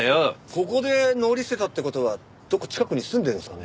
ここで乗り捨てたって事はどこか近くに住んでるんですかね？